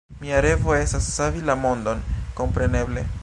Mia revo estas savi la mondon, kompreneble!